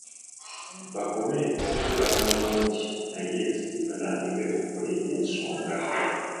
Bakome okwebala mu bungi naye batandike okukola eby’ensonga.